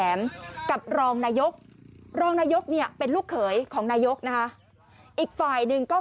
คือเอาอย่างนี้คุณผู้ชมในคลิปเนี่ยบางคนไม่ได้ดูตั้งแต่ต้นเนี่ยอาจจะงงนะฮะ